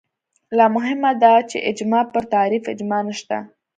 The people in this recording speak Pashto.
لا مهمه دا چې اجماع پر تعریف اجماع نشته